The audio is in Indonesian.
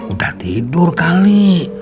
udah tidur kali